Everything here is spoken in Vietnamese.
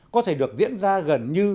có thể được diễn ra gần như